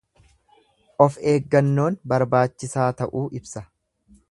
Of eeggannoon barbaachisaa ta'uu ibsa.